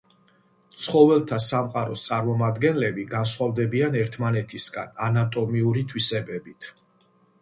ცხოველთა სამყაროს წარმომადგენლები განსხვავდებიან ერთმანეთისგან ანატომიური თვისებებით.